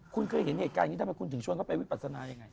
คุณเคยเห็นเหตุการณ์นี้ทำไมคุณถึงชวนเข้าไปวิปัสนายังไง